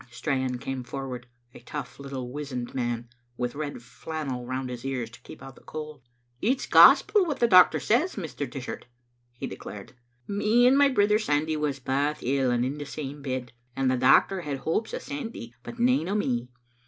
Strachan came forward, a tough, little, wizened man, with red flannel round his ears to keep out the cold. "It's gospel what the doctor says, Mr. Dishart," he declared. " Me and my brither Sandy was baith ill, and in the same bed, and the doctor had hopes o' Sandy, but nane o' me.